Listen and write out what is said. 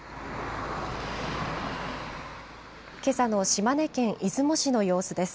けさの島根県出雲市の様子です。